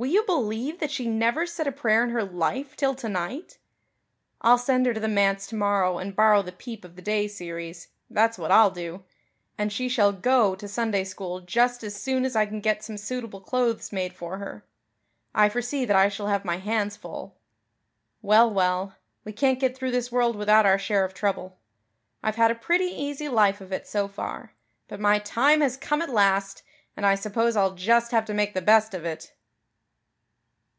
Will you believe that she never said a prayer in her life till tonight? I'll send her to the manse tomorrow and borrow the Peep of the Day series, that's what I'll do. And she shall go to Sunday school just as soon as I can get some suitable clothes made for her. I foresee that I shall have my hands full. Well, well, we can't get through this world without our share of trouble. I've had a pretty easy life of it so far, but my time has come at last and I suppose I'll just have to make the best of it."